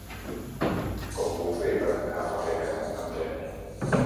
Com ho puc fer per anar a Farrera amb tren?